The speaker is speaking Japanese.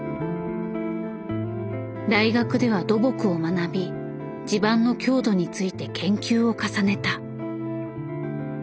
大学では土木を学び地盤の強度について研究を重ねた。